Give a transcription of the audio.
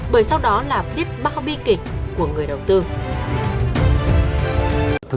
bởi sau đó là biết bao bi kịch